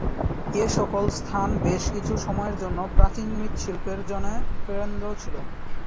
এই সকল স্থান, বেশ কিছু সময়ের জন্য, প্রাচীন মৃৎশিল্পের জনে কেন্দ্র ছিল।